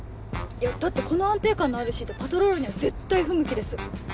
だってこの安定感のあるシートパトロールには絶対不向きです。